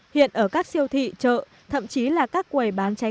hiện ở các siêu thị chợ thậm chí là các quầy bán trái cây